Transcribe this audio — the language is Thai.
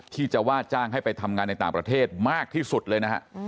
ที่จะว่าจ้างให้ไปทำงานในต่างประเทศมากที่สุดเลยนะฮะ